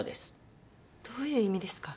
どういう意味ですか？